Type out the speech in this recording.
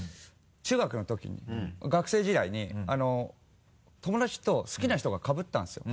中学のときに学生時代に友達と好きな人がかぶったんですよ。